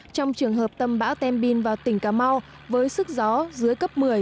trong trường hợp tâm bão tem bin vào tỉnh cà mau với sức gió dưới cấp một mươi